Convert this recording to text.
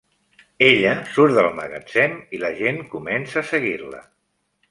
Ella surt del magatzem i la gent comença a seguir-la.